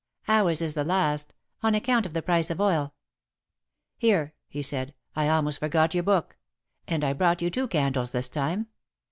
"Ours is the last on account of the price of oil." "Here," he said. "I almost forgot your book. And I brought you two candles this time.